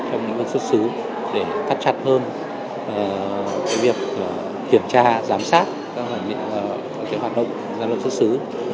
trong những vấn xuất xứ để tắt chặt hơn việc kiểm tra giám sát các hoạt động giám luận xuất xứ